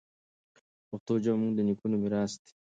پښتو ژبه زموږ د نیکونو میراث دی.